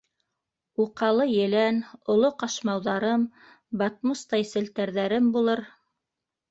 Уҡалы елән, оло ҡашмауҙарым, батмустай селтәрҙәрем булыр.